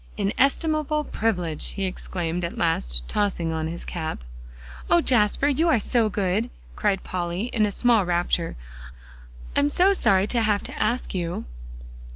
"Inestimable privilege!" he exclaimed at last, tossing on his cap. "Oh, Jasper! you are so good," cried Polly in a small rapture. "I'm so sorry to have to ask you."